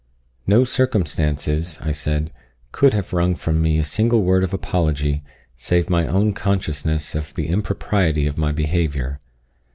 "No circumstances," I said, "could have wrung from me a single word of apology, save my own consciousness of the impropriety of my behaviour.